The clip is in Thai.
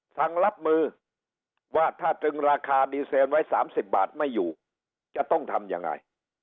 สั่งรับมือว่าถ้าตึงราคาดีเซนไว้๓๐บาทไม่อยู่จะต้องทำยังไง